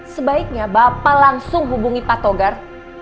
sebaiknya bapak langsung hubungi pak togar